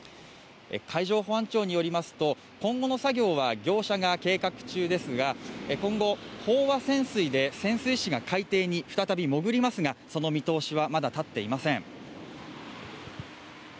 海上保安庁によりますと今後の作業は業者が計画中ですが今後、飽和潜水で潜水士が海底に再び潜りますが、その見通しはまだ立っていません。